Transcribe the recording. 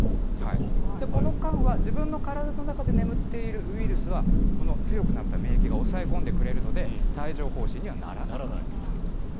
この間は、自分の体の中で眠っているウイルスは、この強くなった免疫が抑え込んでくれるので、帯状ほう疹にはならなかったんですね。